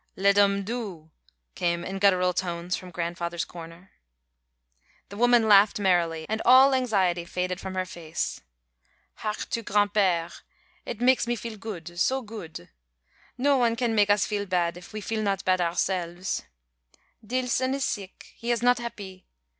"Let um do!" came in guttural tones from grandfather's corner. The woman laughed merrily, and all anxiety faded from her face. "Hark to gran'père it makes me feel good, so good. No one can make us feel bad if we feel not bad ourselves. Deelson is seeck. He is not hap py.